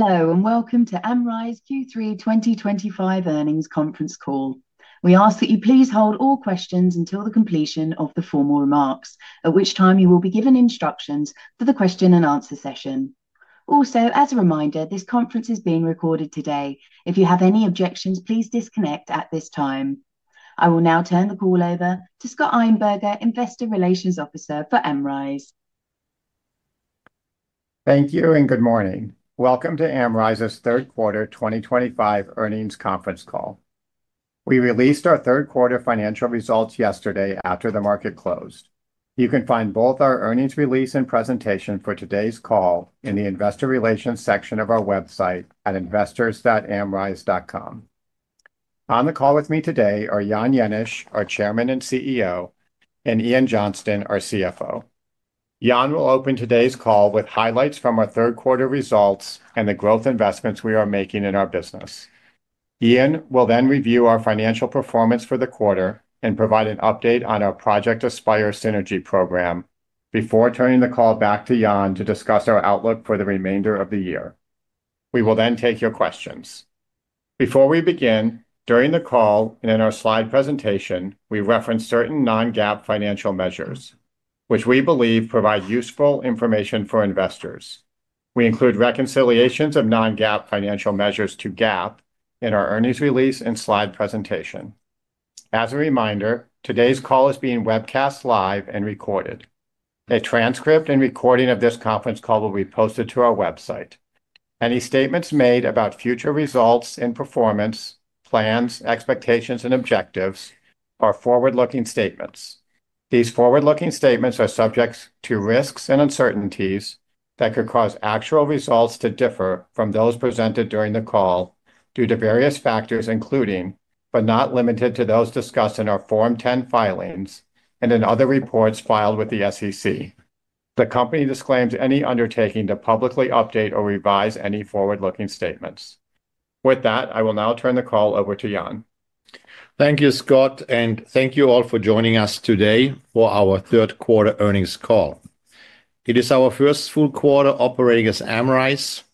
Hello and welcome to Amrize's Q3 2025 earnings conference call. We ask that you please hold all questions until the completion of the formal remarks, at which time you will be given instructions for the question and answer session. Also, as a reminder, this conference is being recorded today. If you have any objections, please disconnect at this time. I will now turn the call over to Scott Einberger, Investor Relations Officer for Amrize. Thank you and good morning. Welcome to Amrize's third quarter 2025 earnings conference call. We released our third quarter financial results yesterday after the market closed. You can find both our earnings release and presentation for today's call in the. Investor Relations section of our website at investors.amrize.com on. the call with me today are Jan Jenisch, our Chairman and CEO, and Ian Johnston, our CFO. Jan will open today's call with highlights from our third quarter results and the growth investments we are making in our business. Ian will then review our financial performance for the quarter and provide an update on our ASPIRE program before turning the call back to Jan. Discuss our outlook for the remainder of the year. We will then take your questions. Before we begin during the call and in our slide presentation, we reference certain non-GAAP financial measures which we believe provide useful information for investors. We include reconciliations of non-GAAP financial measures to GAAP in our earnings release and slide presentation. As a reminder, today's call is being webcast live and recorded. A transcript and recording of this conference call will be posted to our website. Any statements made about future results and performance plans, expectations and objectives are forward-looking statements. These forward-looking statements are subject to risks and uncertainties that could cause actual results to differ from those presented during the call. Due to various factors including but not limited to those discussed in our Form 10 filings and in other reports filed with the SEC, the company disclaims any undertaking to publicly update or revise any forward-looking statements. With that, I will now turn the call over to Jan. Thank you, Scott, and thank you all for joining us today for our third quarter earnings call. It is our first full quarter operating as Amrize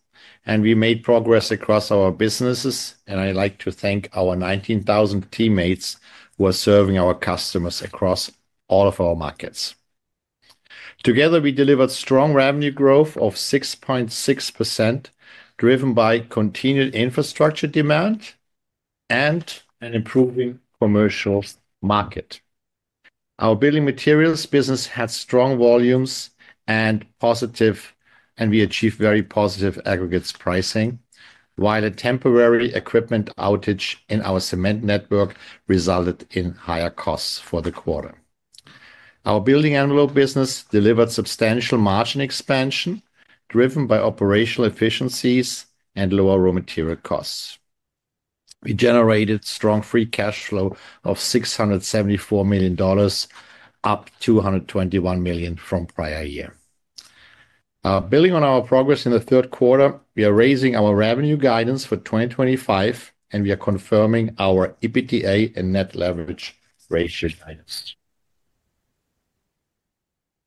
and we made progress across our businesses and I'd like to thank our 19,000 teammates who are serving our customers across all of our markets. Together we delivered strong revenue growth of 6.6% driven by continued infrastructure demand and an improving commercial market. Our Building Materials business had strong volumes and we achieved very positive aggregates pricing while a temporary equipment outage in our cement network resulted in higher costs for the quarter. Our Building Envelope business delivered substantial margin expansion driven by operational efficiencies and lower raw material costs. We generated strong free cash flow of $674 million, up $221 million from prior year. Building on our progress in the third quarter, we are raising our revenue guidance for 2025 and we are confirming our EBITDA and net leverage ratio items.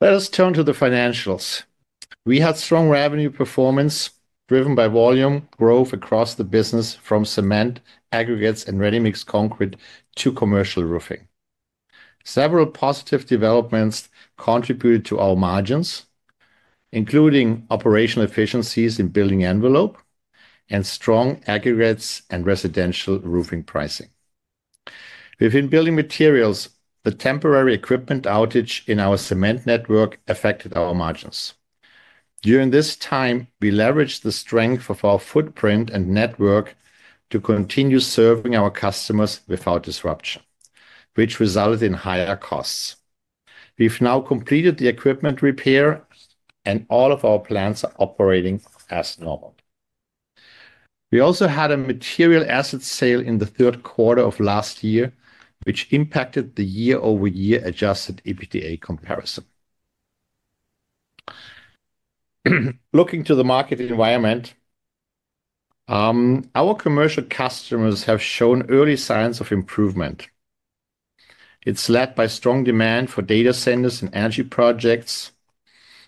Let us turn to the financials. We had strong revenue performance driven by volume growth across the business from cement, aggregates and ready-mix concrete to commercial roofing. Several positive developments contributed to our margins including operational efficiencies in Building Envelope and strong aggregates and residential roofing pricing within Building Materials. The temporary equipment outage in our cement network affected our margins. During this time we leveraged the strength of our footprint and network to continue serving our customers without disruption, which resulted in higher costs. We've now completed the equipment repair, and all of our plants are operating as normal. We also had a material asset sale in the third quarter of last year, which impacted the year-over-year adjusted EBITDA comparison. Looking to the market environment, our commercial customers have shown early signs of improvement. It's led by strong demand for data centers and energy projects.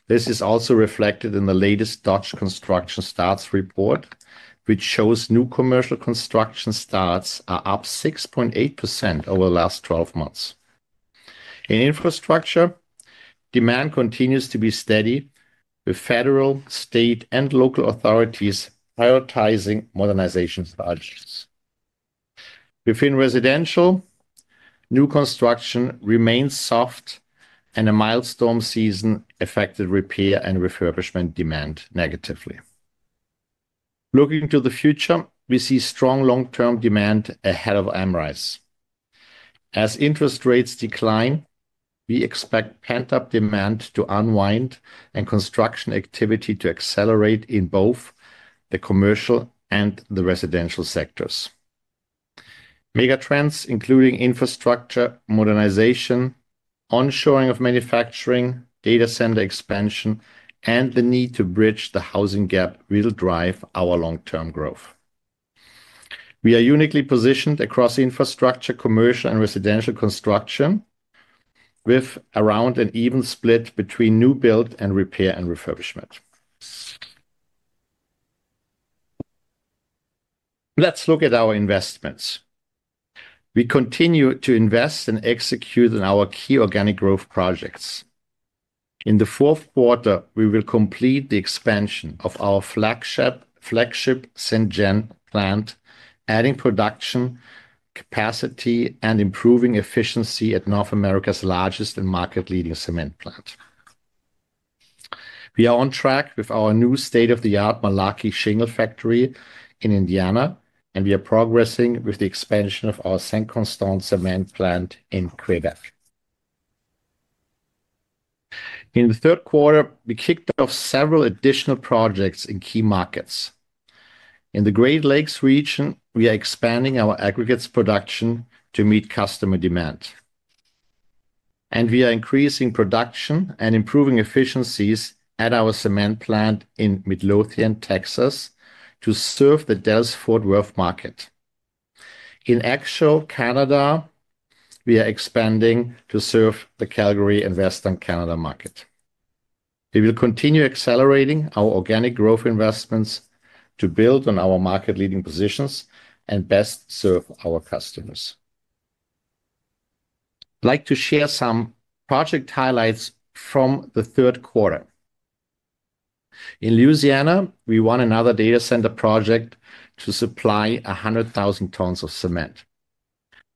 This is also reflected in the latest Dutch Construction Starts report, which shows new commercial construction starts are up 6.8% over the last 12 months. In infrastructure, demand continues to be steady, with federal, state, and local authorities prioritizing modernization, while residential new construction remains soft, and a milestone season affected repair and refurbishment demand negatively. Looking to the future, we see strong long-term demand ahead of Amrize as interest rates decline. We expect pent-up demand to unwind and construction activity to accelerate in both the commercial and the residential sectors. Megatrends including infrastructure modernization, onshoring of manufacturing, data center expansion, and the need to bridge the housing gap will drive our long-term growth. We are uniquely positioned across infrastructure, commercial, and residential construction with around an even split between new build and repair and refurbishment. Let's look at our investments. We continue to invest and execute on our key organic growth projects. In the fourth quarter, we will complete the expansion of our flagship St. Genevieve cement plant, adding production capacity and improving efficiency at North America's largest and market-leading cement plant. We are on track with our new state-of-the-art Malarkey Shingle factory in Indiana, and we are progressing with the expansion of our Saint-Constant cement plant in Quebec. In the third quarter, we kicked off several additional projects in key markets in the Great Lakes region. We are expanding our aggregates production to meet customer demand, and we are increasing production and improving efficiencies at our cement plant in Midlothian, Texas, to serve the Dallas-Fort Worth market. In Western Canada, we are expanding to serve the Calgary and Western Canada market. We will continue accelerating our organic growth investments to build on our market-leading positions and best serve our customers. Like to share some project highlights from the third quarter. In Louisiana, we won another data center project to supply 100,000 tons of cement.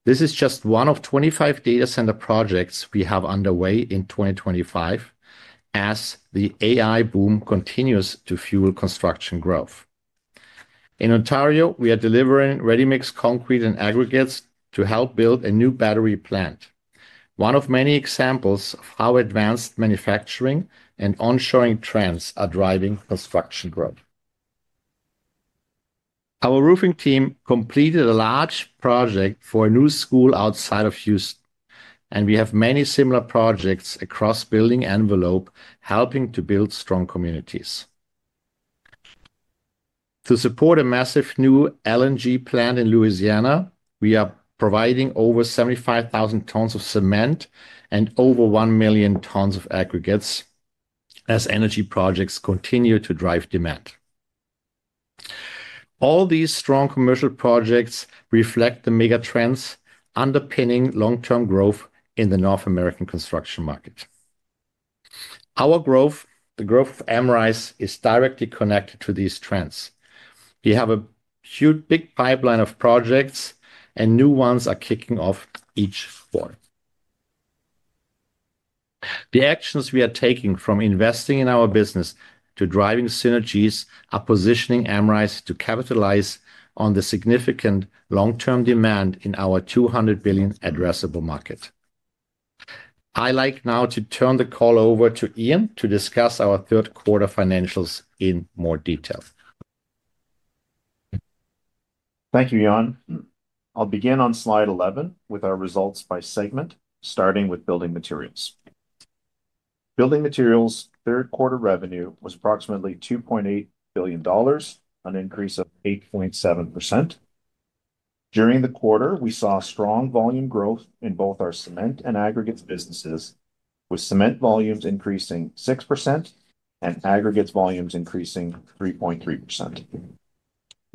This is just one of 25 data center projects we have underway in 2025 as the AI boom continues to fuel construction growth. In Ontario, we are delivering ready mix concrete and aggregates to help build a new battery plant, one of many examples of how advanced manufacturing and onshoring trends are driving construction growth. Our roofing team completed a large project for a new school outside of Houston, and we have many similar projects across Building Envelope helping to build strong communities to support a massive new LNG plant. In Louisiana, we are providing over 75,000 tons of cement and over 1 million tons of aggregates as energy projects continue to drive demand. All these strong commercial projects reflect the megatrends underpinning long term growth in the North American construction market. Our growth, the growth of Amrize, is directly connected to these trends. We have a huge big pipeline of projects, and new ones are kicking off each fall. The actions we are taking from investing in our business to driving synergies are positioning Amrize to capitalize on the significant long term demand in our $200 billion addressable market. I like now to turn the call over to Ian to discuss our third quarter financials in more detail. Thank you Jan. I'll begin on slide 11 with our results by segment, starting with Building Materials. Building Materials third quarter revenue was approximately $2.8 billion, an increase of 8.7%. During the quarter, we saw strong volume growth in both our cement and aggregates businesses, with cement volumes increasing 6% and aggregates volumes increasing 3.3%.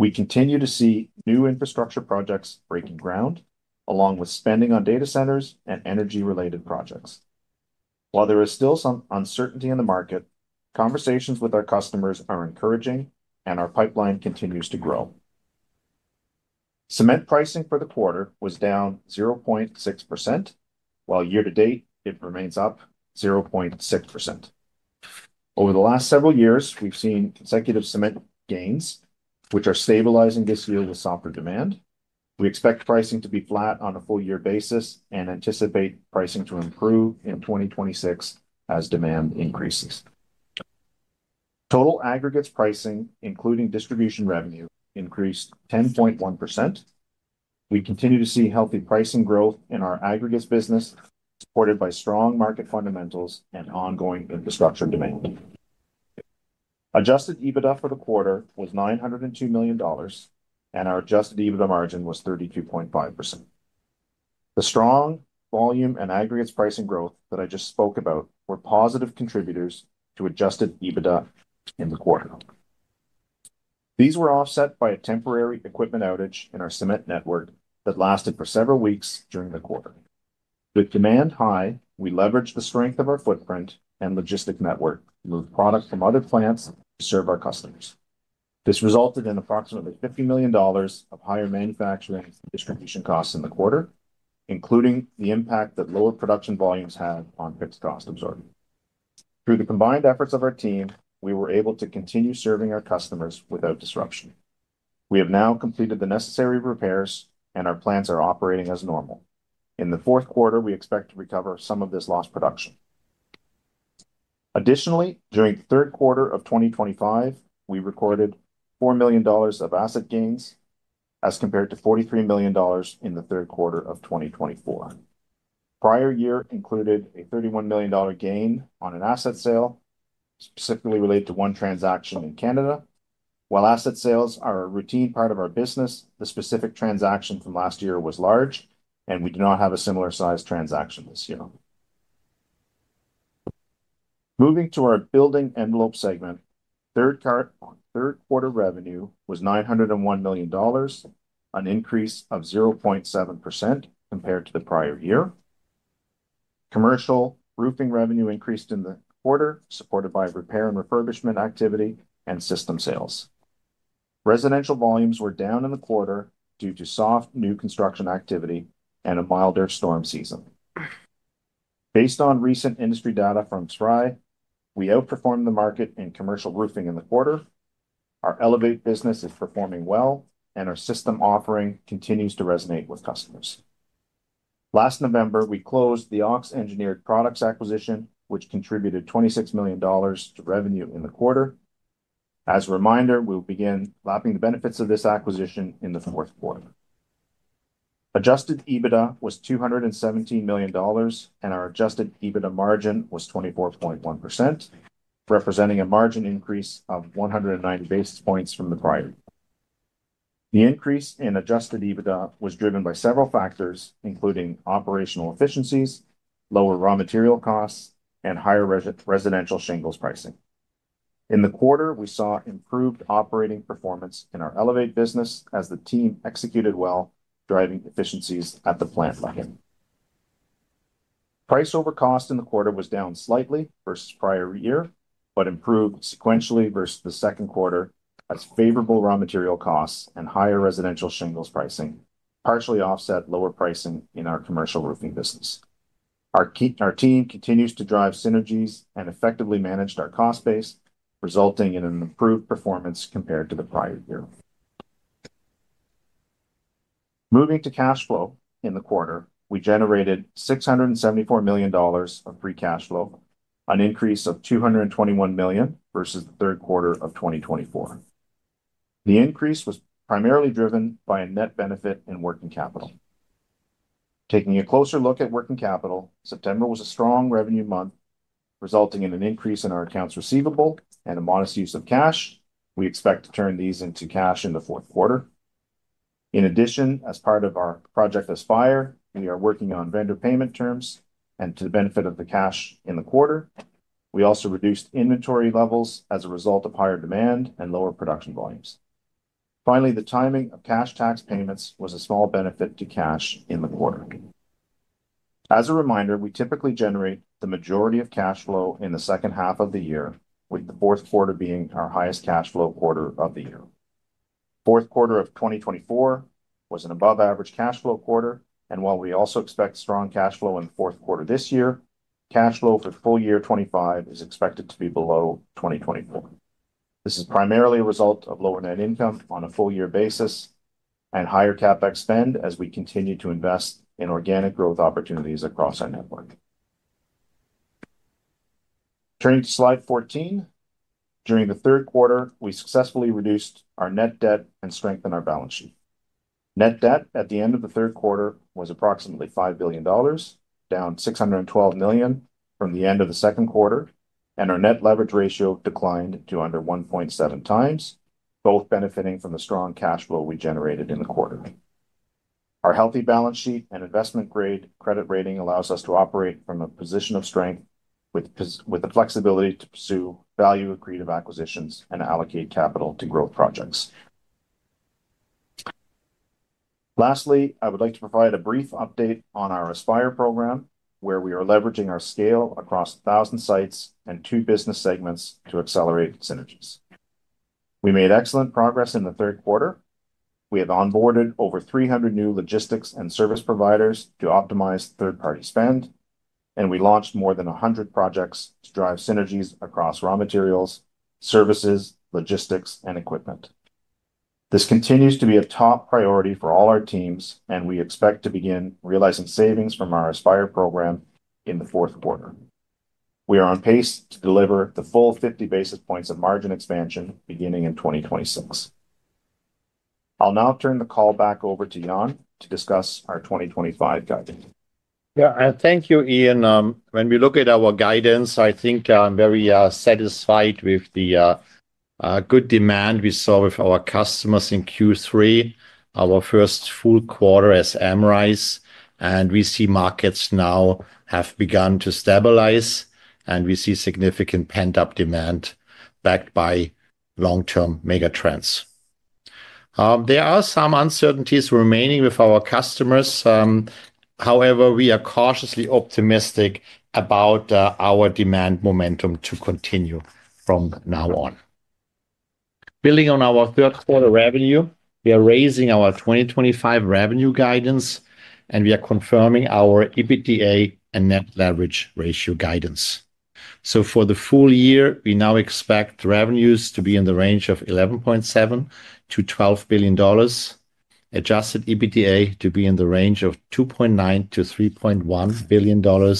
We continue to see new infrastructure projects breaking ground along with spending on data centers and energy-related projects. While there is still some uncertainty in the market, conversations with our customers are encouraging and our pipeline continues to grow. Cement pricing for the quarter was down 0.6% while year to date it remains up 0.6%. Over the last several years, we've seen consecutive cement gains which are stabilizing this year with softer demand. We expect pricing to be flat on a full year basis and anticipate pricing to improve in 2026 as demand increases. Total aggregates pricing, including distribution revenue, increased 10.1%. We continue to see healthy pricing growth in our aggregates business, supported by strong market fundamentals and ongoing infrastructure demand. Adjusted EBITDA for the quarter was $902 million and our adjusted EBITDA margin was 32.5%. The strong volume and aggregates pricing growth that I just spoke about were positive contributors to adjusted EBITDA in the quarter. These were offset by a temporary equipment outage in our cement network that lasted for several weeks during the quarter. With demand high, we leveraged the strength of our footprint and logistic network to move product from other plants to serve our customers. This resulted in approximately $50 million of higher manufacturing distribution costs in the quarter, including the impact that lower production volumes had on fixed cost absorbent. Through the combined efforts of our team, we were able to continue serving our customers without disruption. We have now completed the necessary repairs and our plants are operating as normal. In the fourth quarter, we expect to recover some of this lost production. Additionally, during the third quarter of 2025, we recorded $4 million of asset gains as compared to $43 million in the third quarter of 2024. Prior year included a $31 million gain on an asset sale specifically related to one transaction in Canada. While asset sales are a routine part of our business, the specific transaction from last year was large and we do not have a similar size transaction this year. Moving to our Building Envelope segment, third quarter revenue was $901 million, an increase of 0.7% compared to the prior year. Commercial roofing revenue increased in the quarter, supported by repair and refurbishment activity and system sales. Residential volumes were down in the quarter due to soft new construction activity and a milder storm season. Based on recent industry data from SRI, we outperformed the market in commercial roofing in the quarter. Our Elevate business is performing well and our system offering continues to resonate with customers. Last November, we closed the AUX Engineered Products acquisition, which contributed $26 million to revenue in the quarter. As a reminder, we will begin lapping the benefits of this acquisition in the fourth quarter. Adjusted EBITDA was $217 million and our adjusted EBITDA margin was 24.1%, representing a margin increase of 190 basis points from the prior year. The increase in adjusted EBITDA was driven by several factors, including operational efficiencies, lower raw material costs, and higher residential shingles pricing. In the quarter, we saw improved operating performance in our Elevate business as the team executed well, driving efficiencies at the plant. Bucket. Price over cost in the quarter was down slightly versus prior year but improved sequentially versus the second quarter, as favorable raw material costs and higher residential shingles pricing partially offset lower pricing in our commercial roofing business. Our team continues to drive synergies and effectively managed our cost base, resulting in an improved performance compared to the prior year. Moving to cash flow in the quarter, we generated $674 million of free cash flow, an increase of $221 million versus the third quarter of 2024. The increase was primarily driven by a net benefit in working capital. Taking a closer look at working capital, September was a strong revenue month, resulting in an increase in our accounts receivable and a modest use of cash. We expect to turn these into cash in the fourth quarter. In addition, as part of our ASPIRE program, we are working on vendor payment terms and to the benefit of the cash in the quarter. We also reduced inventory levels as a result of higher demand and lower production volumes. Finally, the timing of cash tax payments was a small benefit to cash in the quarter. As a reminder, we typically generate the majority of cash flow in the second half of the year, with the fourth quarter being our highest cash flow quarter of the year. Fourth quarter of 2024 was an above average cash flow quarter, and while we also expect strong cash flow in the fourth quarter this year, cash flow for the full year 2025 is expected to be below 2024. This is primarily a result of lower net income on a full year basis and higher CapEx spend as we continue to invest in organic growth opportunities across our network. Turning to slide 14, during the third quarter we successfully reduced our net debt and strengthened our balance sheet. Net debt at the end of the third quarter was approximately $5 billion, down $612 million from the end of the second quarter, and our net leverage ratio declined to under 1.7x, both benefiting from the strong cash flow we generated in the quarter. Our healthy balance sheet and investment-grade credit rating allows us to operate from a position of strength with the flexibility to pursue value accretive acquisitions and allocate capital to growth projects. Lastly, I would like to provide a brief update on our ASPIRE program, where we are leveraging our scale across thousand sites and two business segments to accelerate synergies. We made excellent progress in the third quarter. We have onboarded over 300 new logistics and service providers to optimize third party spend, and we launched more than 100 projects to drive synergies across raw materials, services, logistics, and equipment. This continues to be a top priority for all our teams, and we expect to begin realizing savings from our ASPIRE program in the fourth quarter. We are on pace to deliver the full 50 basis points of margin expansion beginning in 2026. I'll now turn the call back over to Jan to discuss our 2025 guidance. Yeah, thank you, Ian. When we look at our guidance, I think I'm very satisfied with the good demand we saw with our customers in Q3, our first full quarter as Amrize, and we see markets now have begun to stabilize and we see significant pent up demand backed by long term megatrends. There are some uncertainties remaining with our customers. However, we are cautiously optimistic about our demand momentum to continue from now on. Building on our third quarter revenue, we are raising our 2025 revenue guidance, and we are confirming our EBITDA and net leverage ratio guidance. For the full year, we now expect revenues to be in the range of $11.7 biilion-$12 billion, adjusted EBITDA to be in the range of $2.9 billion-$3.1 billion,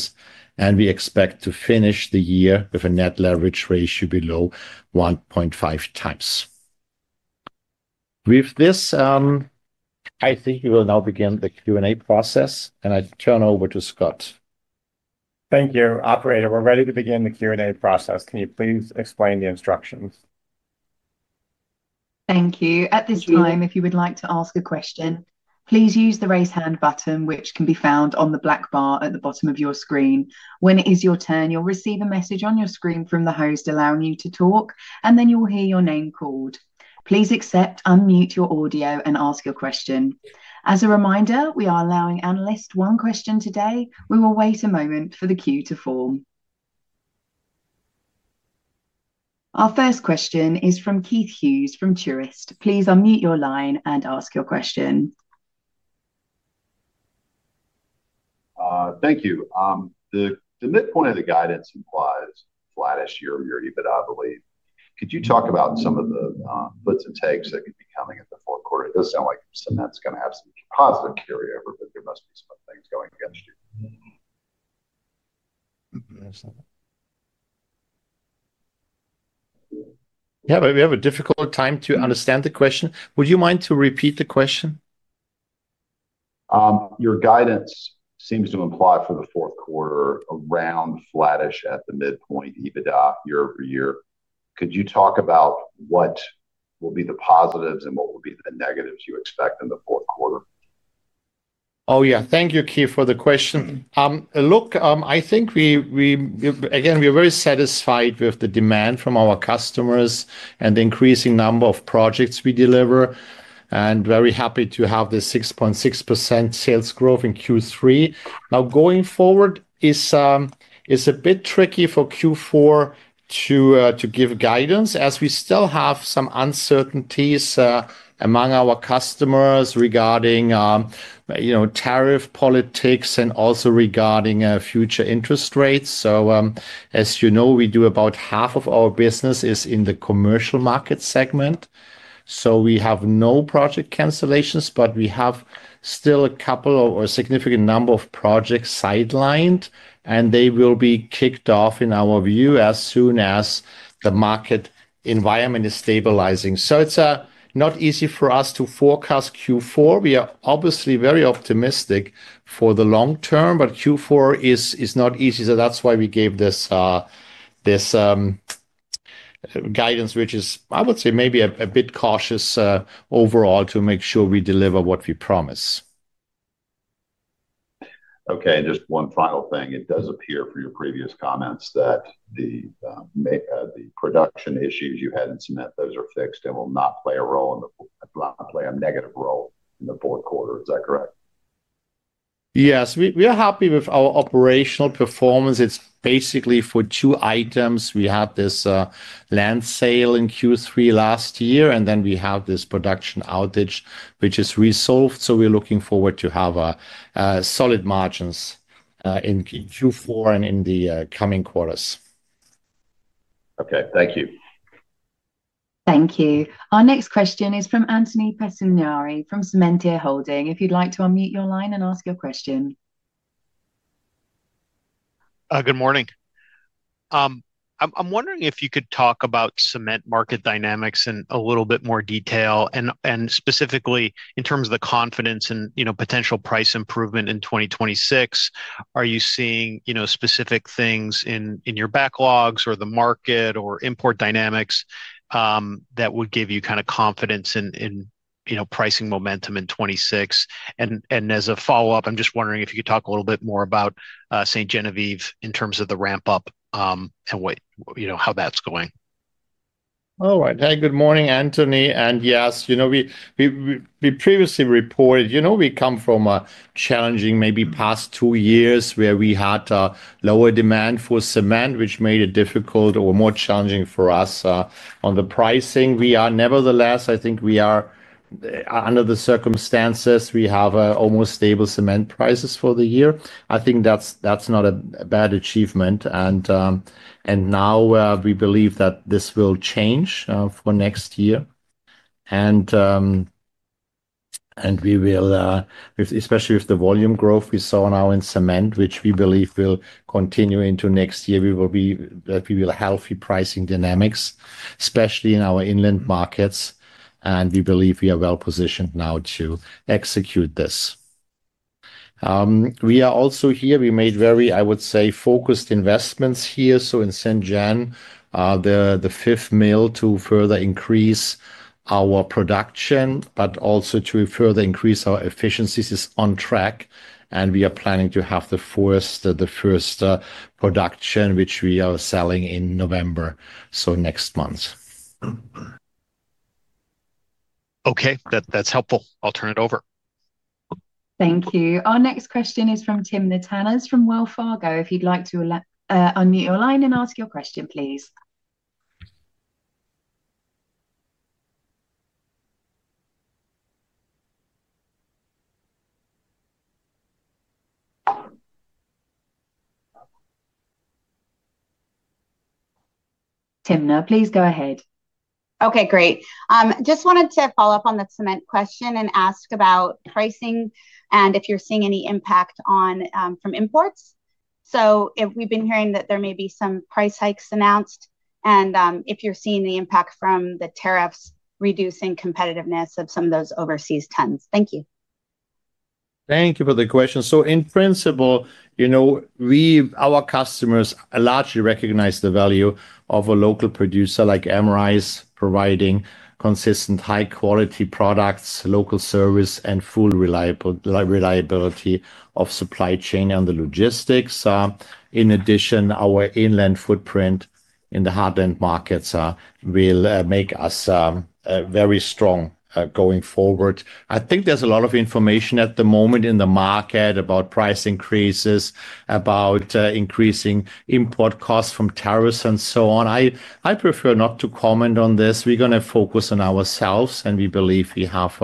and we expect to finish the year with a net leverage ratio below 1.5x. With this, I think we will now. Begin the Q&A process. I turn over to Scott. Thank you, operator. We're ready to begin the Q&A process. Can you please explain the instructions? Thank you. At this time, if you would like to ask a question, please use the raise hand button which can be found on the black bar at the bottom of your screen. When it is your turn, you'll receive a message on your screen from the host allowing you to talk, and then you will hear your name called. Please accept, unmute your audio, and ask your question. As a reminder, we are allowing analysts one question today. We will wait a moment for the queue to form. Our first question is from Keith Hughes from Truist. Please unmute your line and ask your question. Thank you. The midpoint of the guidance implies flattish year EBITDA, I believe. Could you talk about some of the. Puts and takes that could be coming at the fourth quarter? It does sound like cement's going to. Have some positive carryover, but there must be some things going against you. Yeah, we have a difficult time to understand the question. Would you mind to repeat the question? Your guidance seems to imply for the fourth quarter around flattish at the midpoint. EBITDA year over year. Could you talk about what will be. The positives and what will be. Negatives you expect in the fourth quarter? Oh, yeah. Thank you, Keith, for the question. Look, I think again we are very satisfied with the demand from our customers and the increasing number of projects we deliver and very happy to have the 6.6% sales growth in Q3. Now, going forward, it is a bit tricky for Q4 to give guidance as we still have some uncertainties among our customers regarding tariff politics and also regarding future interest rates. As you know, we do about half of our business in the commercial market segment, so we have no project cancellations. We have still a couple or significant number of projects sidelined and they will be kicked off, in our view, as soon as the market environment is stabilizing. It is not easy for us to forecast Q4. We are obviously very optimistic for the long term, but Q4 is not easy. That is why we gave this guidance, which is, I would say, maybe a bit cautious overall to make sure we deliver what we promise. Okay, just one final thing. It does appear from your previous comments. That the production issues you had in cement, those are fixed and will not play a role in the. Play a negative role in the fourth quarter, is that correct? Yes, we are happy with our operational performance. It's basically for two items. We had this land sale in Q3 last year, and then we have this production outage, which is resolved. We're looking forward to have solid margins in Q4 and in the coming quarters. Okay, thank you. Thank you. Our next question is from [Antony Pesimari] from Cementir Holding. If you'd like to unmute your line and ask your question. Good morning. I'm wondering if you could talk about. Cement market dynamics in a little bit more detail, and specifically in terms of. The confidence and potential price improvement in. 2026, are you seeing specific things in your backlogs or the market or import dynamics that would give you kind. Of confidence in, you know, pricing momentum in 2026. As a follow up, I'm just wondering if you could talk a little. Bit more about Ste. Genevieve in terms of the ramp up and what you. Know how that's going. All right. Hey, good morning, Antony. Yes, you know, we previously reported, you know, we come from a challenging maybe past two years where we had lower demand for cement, which made it difficult or more challenging for us on the pricing. Nevertheless, I think we are, under the circumstances, we have almost stable cement prices for the year. I think that's not a bad achievement. Now we believe that this will change for next year. We will, especially with the volume growth we saw now in cement, which we believe will continue into next year. We will be that we will. Healthy pricing dynamics, especially in our inland markets. We believe we are well positioned now to execute this. We are also here, we made very, I would say, focused investments here. In Ste. Genevieve, they're fifth mill, to further increase our production but also to further increase our efficiencies, is on track. We are planning to have the first production which we are selling in November, so next month. Okay, that's helpful. I'll turn it over. Thank you. Our next question is from Timna Tanners from Wells Fargo. If you'd like to unmute your line and ask your question, please. Timna, please go ahead. Okay, great. Just wanted to follow up on the cement question and ask about pricing and if you're seeing any impact from imports. We've been hearing that there may be some price hikes announced and if you're seeing the impact from the tariffs reducing competitiveness of some of those overseas tons. Thank you. Thank you for the question. In principle, our customers largely recognize the value of a local producer like Amrize, providing consistent high quality products, local service, and full reliability of supply chain and logistics. In addition, our inland footprint in the heartland markets will make us very strong going forward. I think there's a lot of information at the moment in the market about price increases, about increasing import costs from tariffs and so on. I prefer not to comment on this. We're going to focus on ourselves, and we believe we have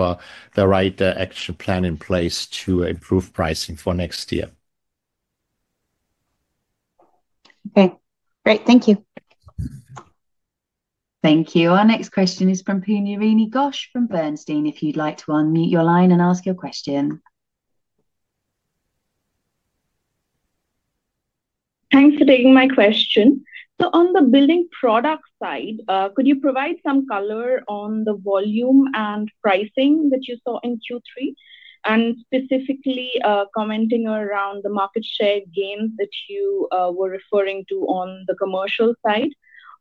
the right action plan in place to improve pricing for next year. Okay, great. Thank you. Thank you. Our next question is from Pujarini Ghosh from Bernstein. If you'd like to unmute your line and ask your question. Thanks for taking my question. On the building product side, could you provide some color on the volume and pricing that you saw in Q3 and specifically commenting around the market share gains that you were referring to on the commercial side.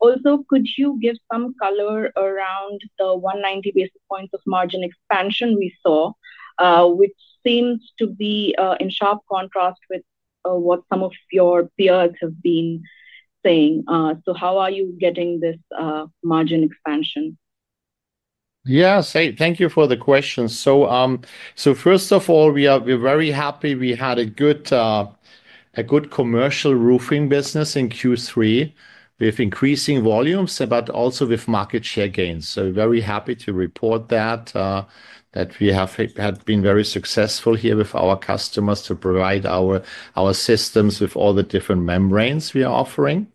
Also, could you give some color around the 190 basis points of margin expansion we saw, which seems to be in sharp contrast with what some of your peers have been saying. How are you getting this margin expansion? Thank you for the question. First of all, we're very happy. We had a good commercial roofing business in Q3 with increasing volumes and also with market share gains. Very happy to report that we have been very successful here with our customers to provide our systems with all the different membranes we are offering.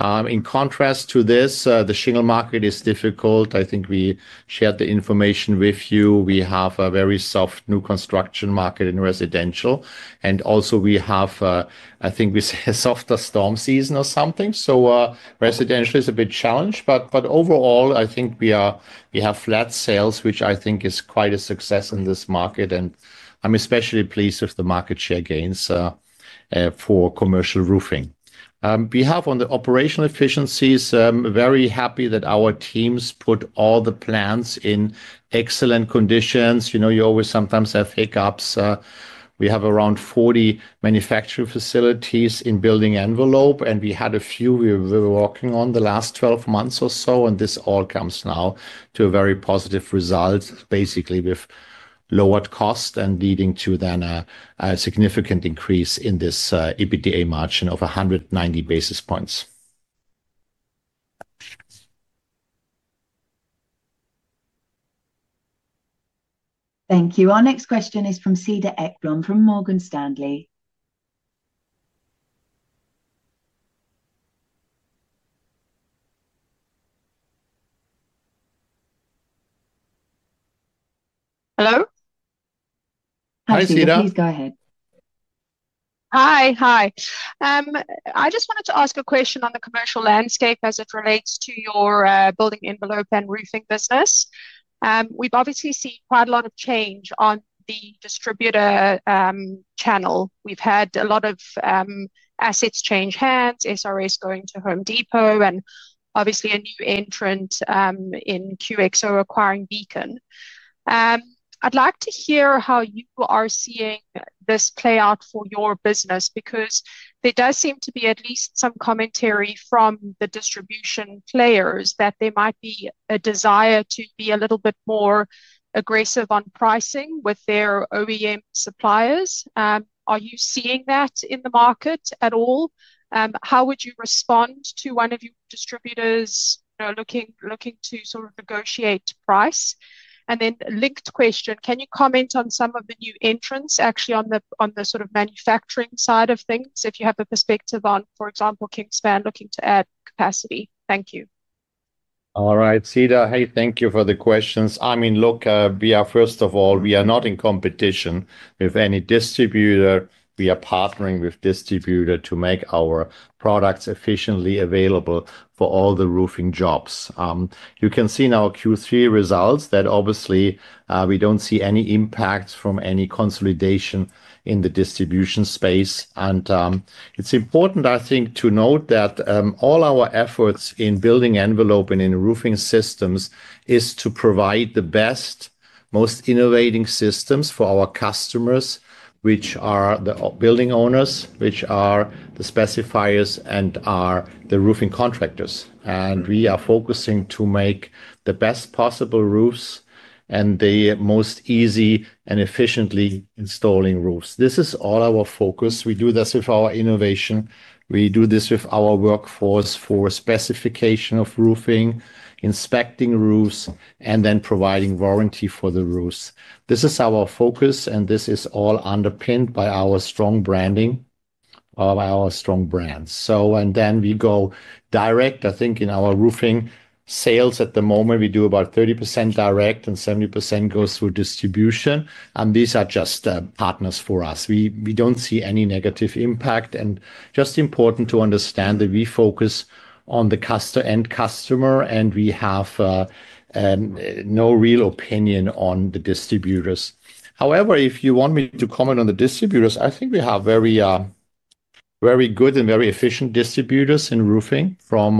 In contrast to this, the shingle market is difficult. I think we shared the information with you. We have a very soft new construction market in residential and also, I think we have a softer storm season or something. Residential is a big challenge. But. Overall, I think we are. We have flat sales, which I think is quite a success in this market. I'm especially pleased with the market share gains for commercial roofing, behalf on the operational efficiencies. Very happy that our teams put all the plants in excellent conditions. You know, you always sometimes have hiccups. We have around 40 manufacturing facilities in Building Envelope, and we had a few we were working on the last 12 months or so. This all comes now to a very positive result, basically with lowered cost and leading to then a significant increase in this adjusted EBITDA margin of 190 basis points. Thank you. Our next question is from Cedar Ekblom from Morgan Stanley. Hello. Hi, Cedar. Please go ahead. Hi. I just wanted to ask a question on the commercial landscape as it relates to your Building Envelope and roofing business. We've obviously seen quite a lot of change on the distributor channel. We've had a lot of assets change hands. SRs going to Home Depot and obviously a new entrant in QXO acquiring Beacon. I'd like to hear how you are seeing this play out for your business because there does seem to be at least some commentary from the distribution players that there might be a desire to be a little bit more aggressive on pricing with their OEM suppliers. Are you seeing that in the market at all? How would you respond to one of your distributors looking to sort of negotiate price and then linked question, can you comment on some of the new entrants? Actually on the sort of manufacturing side of things, if you have a perspective on for example Kingspan looking to add capacity. Thank you. All right, Cedar. Hey, thank you for the questions. I mean, look, first of all, we are not in competition with any distributor. We are partnering with distributors to make our products efficiently available for all the roofing jobs. You can see in our Q3 results that obviously we don't see any impact from any consolidation in the distribution space. It's important, I think, to note that all our efforts in Building Envelope and in roofing systems is to provide the best, most innovating systems for our customers, which are the building owners, which are the specifiers, and are the roofing contractors. We are focusing to make the best possible roofs and the most easy and efficiently installing roofs. This is all our focus. We do this with our innovation, we do this with our workforce for specification of roofing, inspecting roofs, and then providing warranty for the roofs. This is our focus and this is all underpinned by our strong branding, by our strong brands. Then we go direct. I think in our roofing sales at the moment we do about 30% direct and 70% goes through distribution. These are just partners for us. We don't see any negative impact and it's just important to understand that we focus on the end customer and we have no real opinion on the distributors. However, if you want me to comment on the distributors, I think we have very, very good and very efficient distributors in roofing from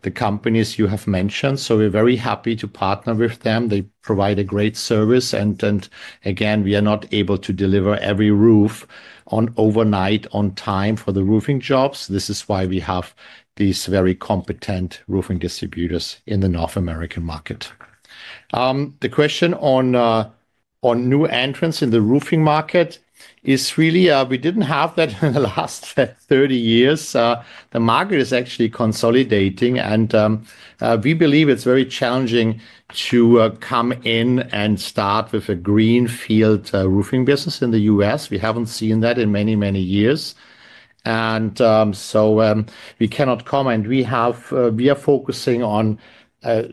the companies you have mentioned. We're very happy to partner with them. They provide a great service. Again, we are not able to deliver every roof overnight on time for the roofing jobs. This is why we have these very competent roofing distributors in the North American market. The question on new entrants in the roofing market is really, we didn't have that in the last 30 years. The market is actually consolidating and we believe it's very challenging to come in and start with a greenfield roofing business in the U.S. We haven't seen that in many, many years and we cannot comment. We are focusing on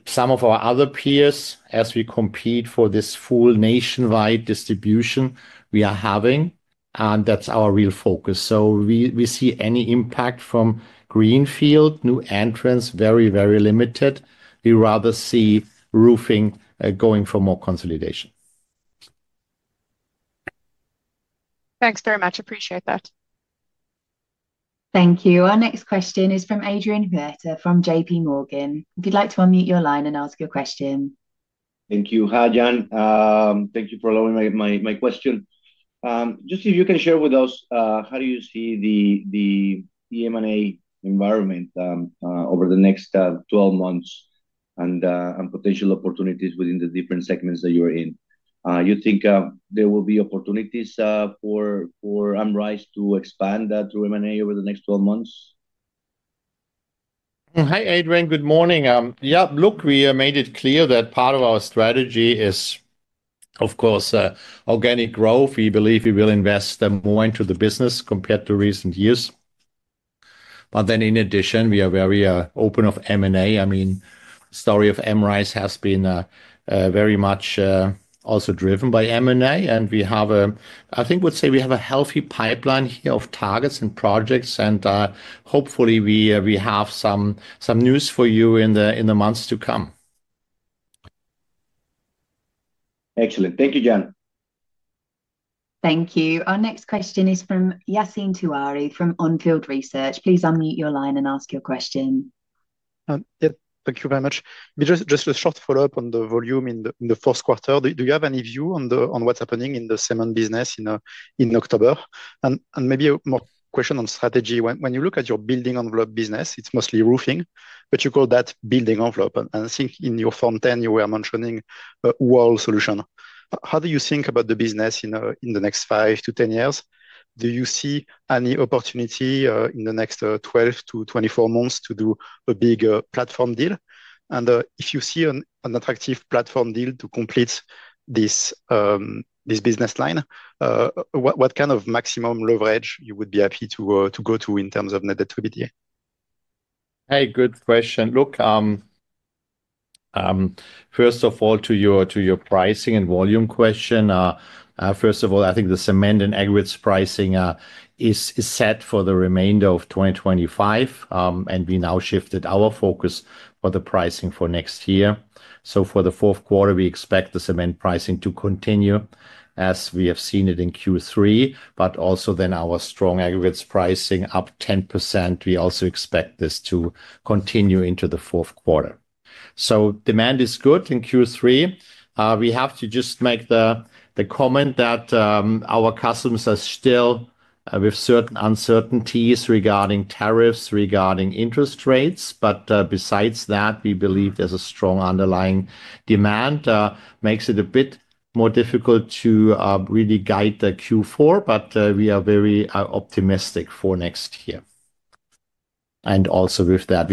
some of our other peers as we compete for this full nationwide distribution we are having and that's our real focus. We see any impact from greenfield new entrants very, very limited. We rather see roofing going for more consolidation. Thanks very much. Appreciate that. Thank you. Our next question is from Adrian Huerta from JPMorgan. If you'd like to unmute your line and ask a question. Thank you, Jan, thank you for allowing my question. Just if you can share with us, how do you see the M&A environment. Over the next 12 months and potential. Opportunities within the different segments that you're in? You think there will be opportunities for Amrize to expand through M&A over the next 12 months? Hi Adrian. Good morning. Yeah, look, we made it clear that part of our strategy is of course organic growth. We believe we will invest more into the business compared to recent years. In addition, we are very open to M&A. I mean, the story of Amrize has been very much also driven by M&A. We have a, I think I would say we have a healthy pipeline here of targets and projects and hopefully we have some news for you in the months to come. Excellent. Thank you, Jan. Thank you. Our next question is from Yassine Touahri from On Field Research. Please unmute your line and ask your question. Thank you very much. Just a short follow-up on the volume in the fourth quarter. Do you have any view on what's happening in the cement business in October, and maybe more question on strategy. When you look at your Building Envelope business, it's mostly roofing, but you call that Building Envelope, and I think in your Form 10 you were mentioning wall solution. How do you think about the business in the next five to 10 years? Do you see any opportunity in the next 12-24 months to do a big platform deal? If you see an attractive platform deal to complete this business line, what kind of maximum leverage you would be happy to go to in terms. Of net debt to EBITDA? Hey, good question. Look, first of all, to your pricing and volume question. First of all, I think the cement and aggregates pricing is set for the remainder of 2025, and we now shifted our focus for the pricing for next year. For the fourth quarter, we expect the cement pricing to continue as we have seen it in Q3, and also our strong aggregates pricing, up 10%, we also expect this to continue into the fourth quarter. Demand is good in Q3. We have to just make the comment that our customers are still with certain uncertainties regarding tariffs, regarding interest rates. Besides that, we believe there's a strong, strong underlying demand, which makes it a bit more difficult to really guide the Q4. We are very optimistic for next year, and also with that,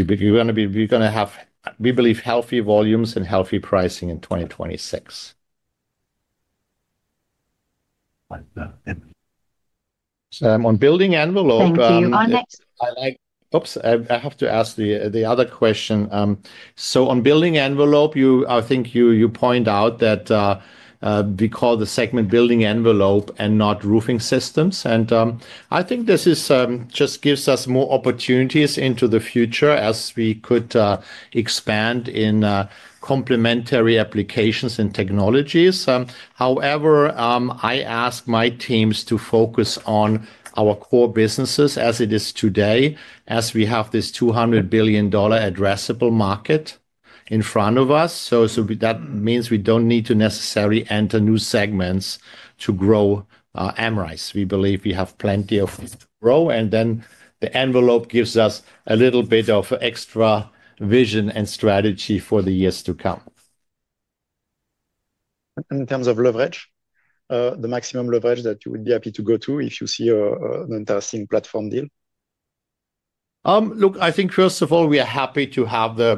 we believe healthy volumes and healthy pricing in 2026. On Building Envelope, I think you point out that we call the segment Building Envelope and not roofing systems. I think this just gives us more opportunities into the future as we could expand in complementary applications and technologies. However, I ask my teams to focus on our core businesses as it is today, as we have this $200 billion addressable market in front of us. That means we don't need to necessarily enter new segments to grow Amrize. We believe we have plenty of growth, and then the Envelope gives us a little bit of extra vision and strategy for the years to come. In terms of leverage, the maximum leverage that you would be happy to go to if you see an interesting platform deal. Look, I think first of all, we are happy to have the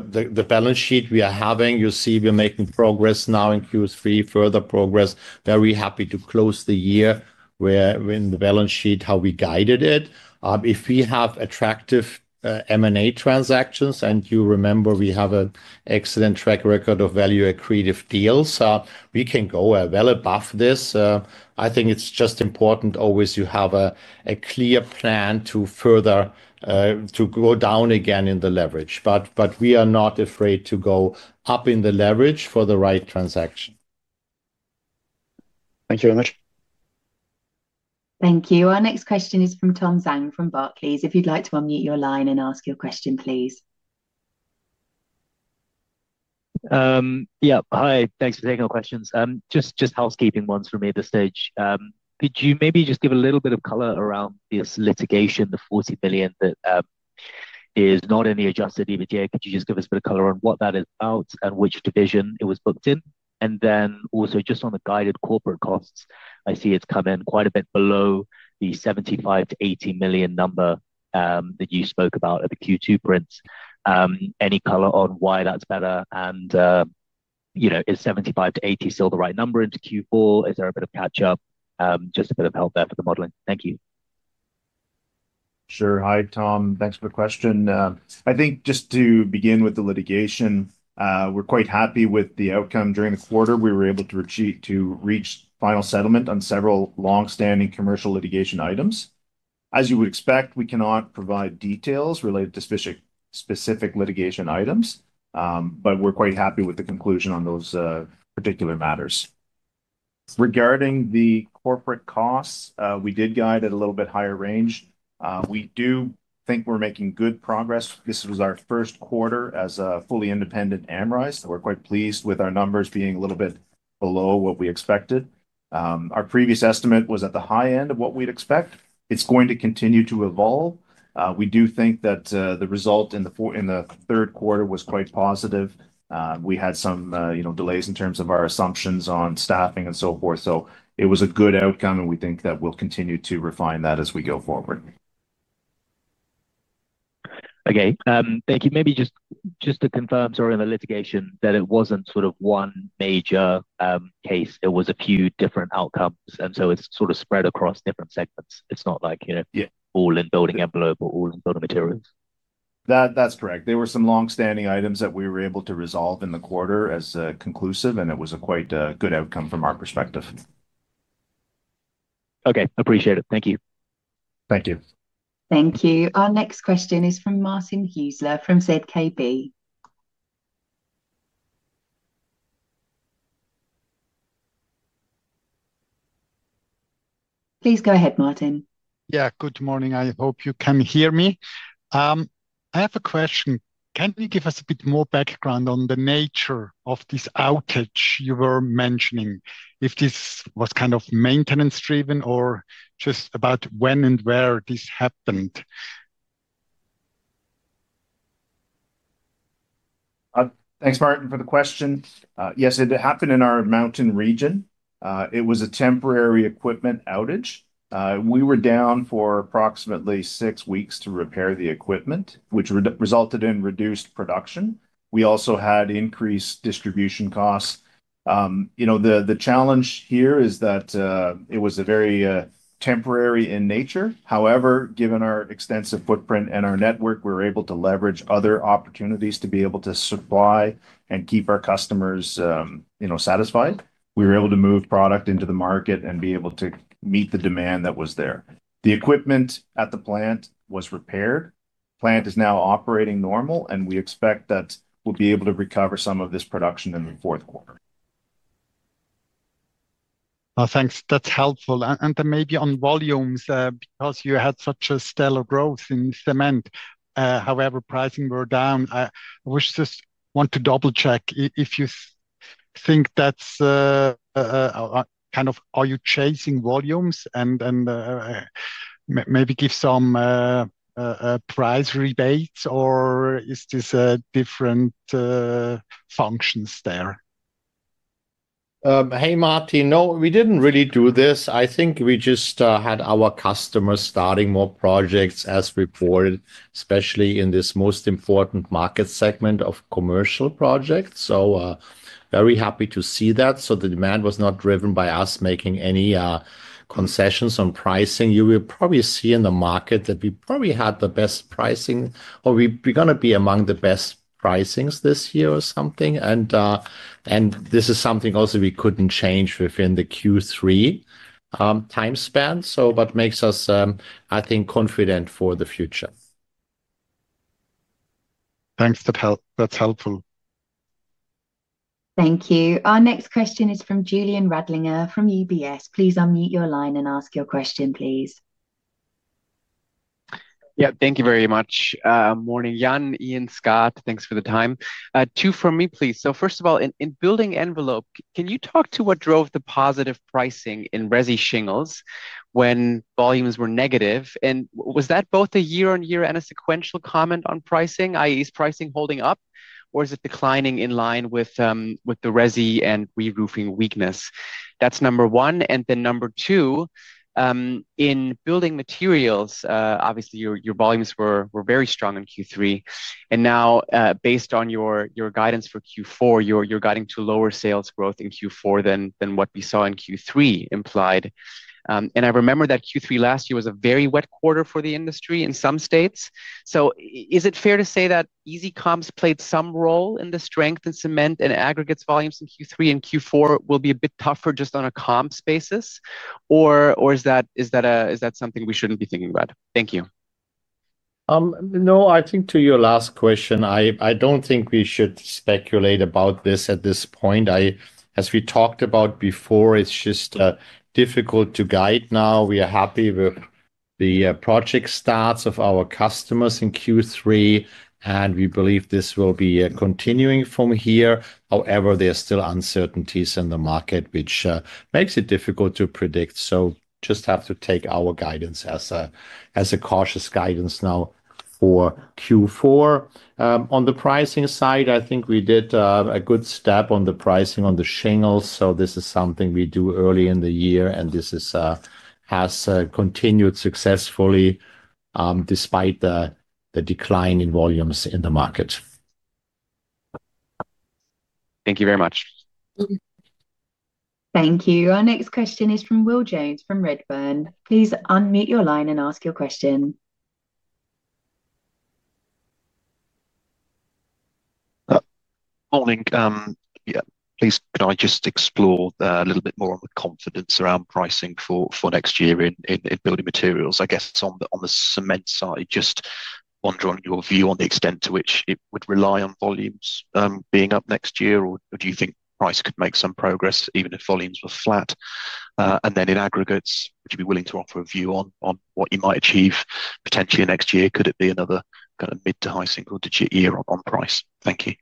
balance sheet we are having. You see we are making progress now in Q3, further progress, very happy to close the year in the balance sheet how we guided it. If we have attractive M&A transactions, and you remember we have an excellent track record of value accretive deals, we can go well above this. I think it's just important always you have a clear plan to further go down again in the leverage. We are not afraid to go up in the leverage for the right transaction. Thank you very much. Thank you. Our next question is from Tom Zhang from Barclays. If you'd like to unmute your line and ask your question, please. Yeah, hi, thanks for taking the questions. Just housekeeping ones for me at this stage. Could you maybe just give a little bit of color around this litigation? The $40 million that is not in the adjusted EBITDA. Could you just give us a bit of color on what that is about and which division it was booked in? Also, just on the guided corporate costs. I see it's come in quite a bit. Bit below the $75 million-$80 million number that you spoke about at the Q2 prints. Any color on why that's better, and you know, is $75 million-$80 million still the right number into Q4? Is there a bit of catch up? Just a bit of help there for the modeling. Thank you. Sure. Hi, Tom. Thanks for the question. I think just to begin with the litigation, we're quite happy with the outcome. During the quarter we were able to reach final settlement on several long-standing commercial litigation items. As you would expect, we cannot provide details related to specific litigation items, but we're quite happy with the conclusion on those particular matters. Regarding the corporate costs, we did guide at a little bit higher range. We do think we're making good progress. This was our first quarter as a fully independent Amrize. We're quite pleased with our numbers being a little bit below what we expected. Our previous estimate was at the high end of what we'd expect. It's going to continue to evolve. We do think that the result in the third quarter was quite positive. We had some delays in terms of our assumptions on staffing and so forth. It was a good outcome and we think that we'll continue to refine that as we go forward. Okay, thank you. Maybe just to confirm during the litigation that it wasn't sort of one major case. It was a few different outcomes and so it's sort of spread across different segments. It's not like, you know, all in Building Envelope or all in Building Materials. That's correct. There were some long-standing items that we were able to resolve in the quarter as conclusive, and it was a quite good outcome from our perspective. Okay, appreciate it. Thank you. Thank you. Thank you. Our next question is from Martin Hüsler from ZKB, please go ahead. Martin. Good morning. I hope you can hear me. I have a question. Can you give us a bit more background on the nature of this outage? You were mentioning if this was kind of maintenance driven or just about when. Where this happened. Thanks, Martin, for the question. Yes, it happened in our Mountain region. It was a temporary equipment outage. We were down for approximately six weeks to repair the equipment, which resulted in reduced production. We also had increased distribution costs. You know. The challenge here is that it was very temporary in nature. However, given our extensive footprint and our network, we were able to leverage other opportunities to be able to supply and keep our customers satisfied. We were able to move product into the market and be able to meet the demand that was there. The equipment at the plant was repaired, the plant is now operating normal, and we expect that we'll be able to recover some of this production in the fourth quarter. Thanks, that's helpful. Maybe on volumes because you. Had such a stellar growth in cement. However, pricing were down. I just want to double check. If you think that's kind of. Are you chasing volumes and maybe give some price rebates or is this different functions there? Hey, Martin. No, we didn't really do this. I think we just had our customers starting more projects as reported, especially in this most important market segment of commercial projects. Very happy to see that. The demand was not driven by us making any concessions on pricing. You will probably see in the market that we probably had the best pricing or we're going to be among the best pricing this year or something. This is something also we couldn't change within the Q3 time span. That makes us, I think, confident for the future. Thanks, that's helpful. Thank you. Our next question is from Julian Radlinger from UBS. Please unmute your line and ask your question, please. Yeah, thank you very much. Morning Jan, Ian, Scott. Thanks for the time. Two from me please. First of all, in Building Envelope, can you talk to what drove the positive pricing in resi shingles when volumes were negative? Was that both a year on year and a sequential comment on pricing? Is pricing holding up or is it declining in line with the resi and re-roofing weakness? That's number one. Number two, in Building Materials, obviously your volumes were very strong in Q3 and now based on your guidance for Q4, you're guiding to lower sales growth in Q4 than what we saw in Q3 implied. I remember that Q3 last year was a very wet quarter for the industry in some states. Is it fair to say that easy comps played some role in the strength in cement and aggregates volumes in Q3 and Q4 will be a bit tougher just on a comps basis or is that something we shouldn't be thinking about? Thank you. No, I think to your last question. I don't think we should speculate about this at this point. As we talked about before, it's just difficult to guide now. We are happy with the project starts of our customers in Q3, and we believe this will be continuing from here. However, there's still uncertainties in the market, which makes it difficult to predict. You just have to take our guidance as a cautious guidance now for Q4. On the pricing side, I think we did a good step on the pricing on the shingles. This is something we do early in the year, and this has continued successfully despite the decline in volumes in the market. Thank you very much. Thank you. Our next question is from Will Jones from Redburn. Please unmute your line and ask your question. Morning please. Could I just explore a little bit more on the confidence around pricing for next year in Building Materials? I guess on the cement side, just wondering your view on the extent to which it would rely on volumes being up next year or do you think price could make some progress even if volumes were flat? In aggregates, would you be willing to offer a view on what you might achieve potentially next year? Could it be another kind of mid to high single digit year on price? Thank you.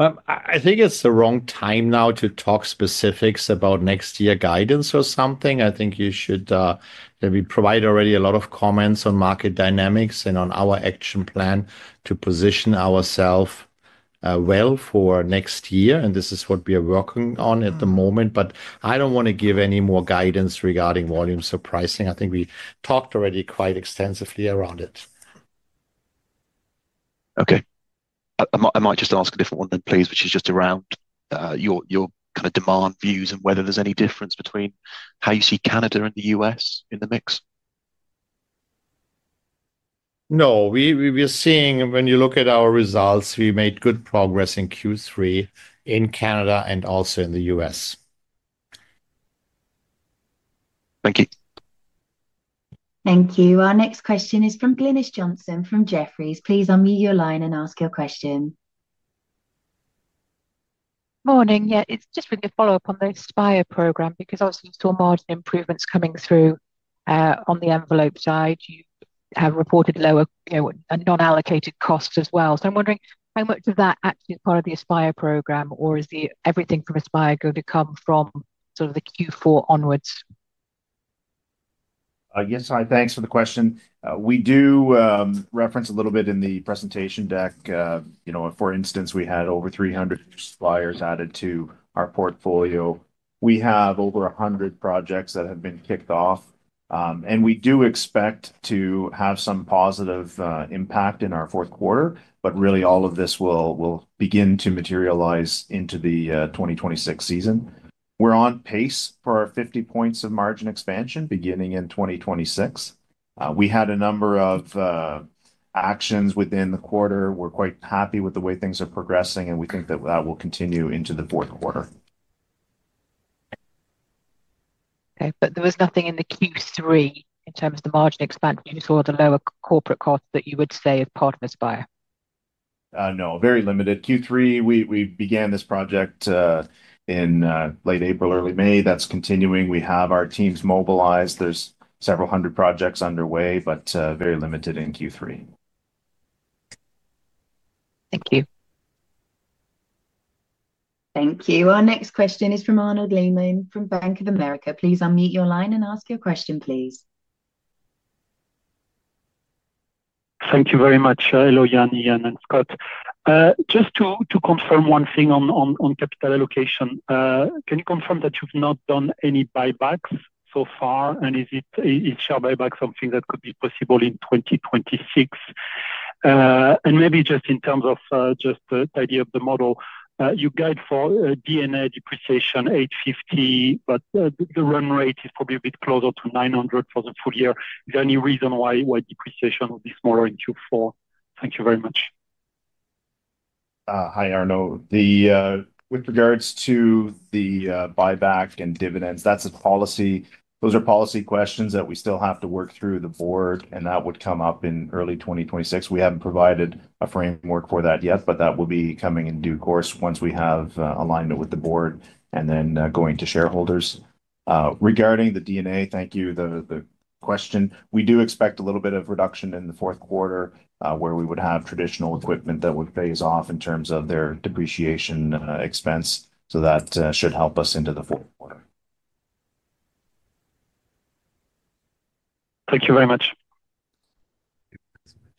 I think it's the wrong time now to talk specifics about next year guidance or something. I think you should be provided already a lot of comments on market dynamics and on our action plan to position ourselves well for next year. This is what we are working on at the moment. I don't want to give any more guidance regarding volumes or pricing. I think we talked already quite extensively around it. Okay, I might just ask a different one then please. Which is just around your kind of demand views and whether there's any difference between how you see Canada and the U.S. in the mix. No, we are seeing when you look at our results, we made good progress in Q3 in Canada and also in the U.S. Thank you. Thank you. Our next question is from Glynis Johnson from Jefferies. Please unmute your line and ask your question. Morning. Yeah, it's just really a follow up on the ASPIRE program because obviously you saw margin improvements coming through. On the Envelope side, you have reported lower non-allocated costs as well. I'm wondering how much of that actually is part of the ASPIRE program or is everything from ASPIRE going to come from sort of the Q4 onwards? Yes, thanks for the question. We do reference a little bit in the presentation deck. For instance, we had over 300 suppliers added to our portfolio. We have over 100 projects that have been kicked off and we do expect to have some positive impact in our fourth quarter. All of this will begin to materialize into the 2026 season. We're on pace for our 50 points of margin expansion beginning in 2026. We had a number of actions within the quarter. We're quite happy with the way things are progressing and we think that that will continue into the fourth quarter. There was nothing in the Q3 in terms of the margin expansion. Saw the lower corporate cost that you would say as part of the ASPIRE program? No, very limited Q3. We began this project in late April, early May. That's continuing. We have our teams mobilized. There are several hundred projects underway, but very limited in Q3. Thank you. Thank you. Our next question is from Arnaud Lehmann from Bank of America. Please unmute your line and ask your question, please. Thank you very much. Hello Jan and Scott, just to confirm one thing on capital allocation. Can you confirm that you've not done. Any buybacks so far? Is share buyback something that could be possible in 2026, and maybe just in terms of tidy up the model, you guide for D&A depreciation $850, but the run rate is probably a bit closer to $900 for the full year. Is there any reason why depreciation presentation will be smaller in Q4? Thank you very much. Hi Arnaud, with regards to the buyback and dividends, those are policy questions that we still have to work through the board and that would come up in early 2026. We haven't provided a framework for that yet, but that will be coming in due course once we have alignment with the board and then going to shareholders regarding the DNA. Thank you. We do expect a little bit of reduction in the fourth quarter where we would have traditional equipment that would phase off in terms of their depreciation expense. That should help us into the fourth quarter. Thank you very much.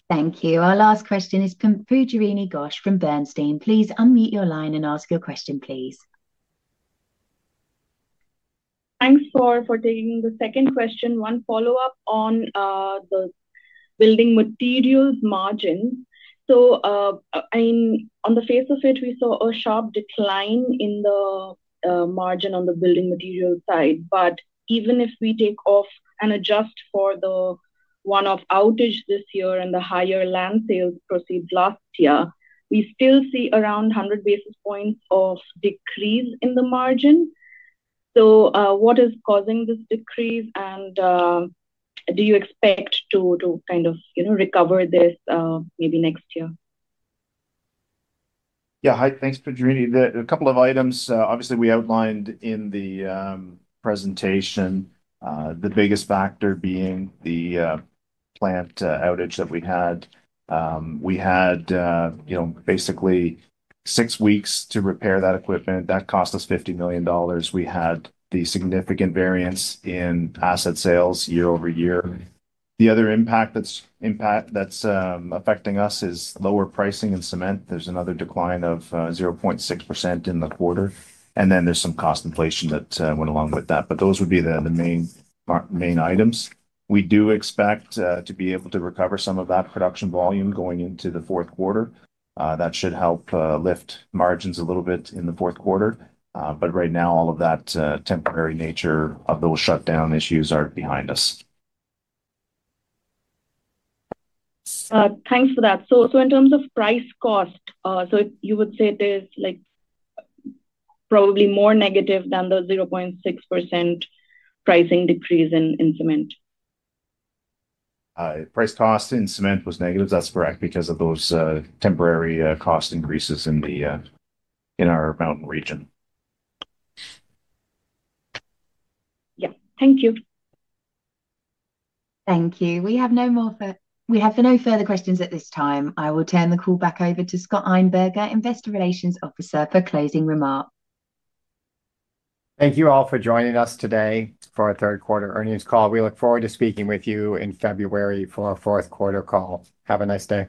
Thank you. Our last question is Pujarini Ghosh from Bernstein. Please unmute your line and ask your question, please. Thanks for taking the second question. One follow up on the Building Materials margin. On the face of it, we saw a sharp decline in the margin on the Building Material side. Even if we take off and adjust for the one-off outage this year and the higher land sales proceeds last year, we still see around 100 basis points of decrease in the margin. What is causing this decrease and do you expect to kind of, you know, recover this maybe next year? Yeah. Hi. Thanks, Pujarini. A couple of items, obviously we outlined in the presentation. The biggest factor being the plant outage that we had. We had basically six weeks to repair that equipment that cost us $50 million. We had the significant variance in asset sales year over year. The other impact that's affecting us is lower pricing in cement. There's another decline of 0.6% in the quarter, and then there's some cost inflation that went along with that. Those would be the main items. We do expect to be able to recover some of that production volume going into the fourth quarter. That should help lift margins a little bit in the fourth quarter. Right now all of that temporary nature of those shutdown issues are behind us. Thanks for that. In terms of price cost, you would say it is probably more negative than the 0.6% pricing decrease in cement. Price cost in cement was negative. That's correct, because of those temporary cost increases in our Mountain region. Thank you. Thank you. We have no more. We have no further questions at this time. I will turn the call back over to Scott Einberger, Investor Relations Officer, for closing remarks. Thank you all for joining us today for our third quarter earnings call. We look forward to speaking with you in February for our fourth quarter call. Have a nice day.